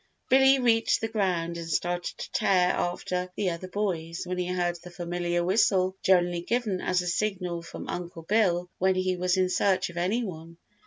Billy reached the ground and started to tear after the other boys when he heard the familiar whistle generally given as a signal from Uncle Bill when he was in search of any one.